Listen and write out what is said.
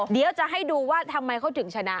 เดี๋ยวจะให้ดูว่าทำไมเขาถึงชนะ